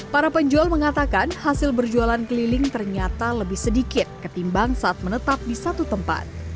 para penjual mengatakan hasil berjualan keliling ternyata lebih sedikit ketimbang saat menetap di satu tempat